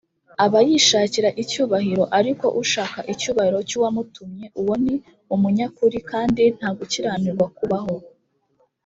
aba yishakira icyubahiro ariko ushaka icyubahiro cy uwamutumye uwo ni umunyakuri kandi nta gukiranirwa kubaho